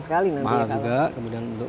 sekali nanti ya mahal juga kemudian untuk